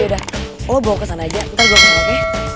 ini udah lo bawa kesana aja ntar gue kesana oke